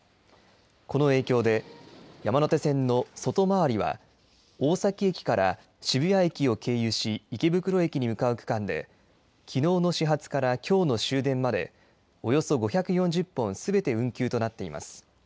この影響で、山手線の外回りは、大崎駅から渋谷駅を経由し、池袋駅に向かう区間で、きのうの始発からきょうの終電まで、およそ５４０本すべて運休となっています。